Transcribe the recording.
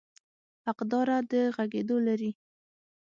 حقداره د غږېدو لري.